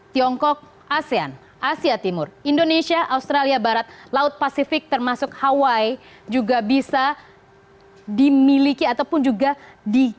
tiongkok asean asia timur indonesia australia barat laut pasifik termasuk hawaii juga bisa dimiliki ataupun juga di